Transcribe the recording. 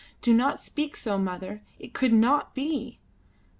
"Do not speak so, mother; it could not be."